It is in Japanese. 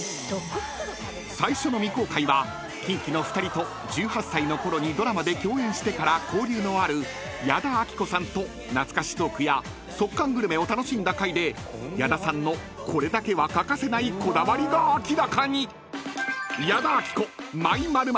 ［最初の未公開はキンキの２人と１８歳のころにドラマで共演してから交流のある矢田亜希子さんと懐かしトークや即完グルメを楽しんだ回で矢田さんのこれだけは欠かせないこだわりが明らかに！］